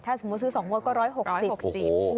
ถ้าสมมุติซื้อ๒งวดก็๑๖๐